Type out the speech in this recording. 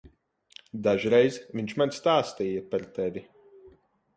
Dažreiz viņš man stāstīja par tevi.